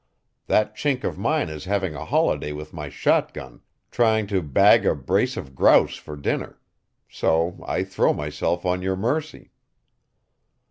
That Chink of mine is having a holiday with my shotgun, trying to bag a brace of grouse for dinner. So I throw myself on your mercy."